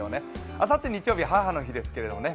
あさって日曜日母の日ですけどね